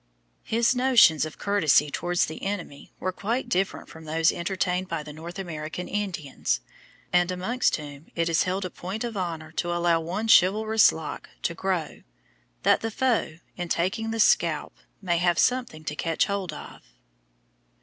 His notions of courtesy towards an enemy were quite different from those entertained by the North American Indians, and amongst whom it is held a point of honour to allow one "chivalrous lock" to grow, that the foe, in taking the scalp, may have something to catch hold of.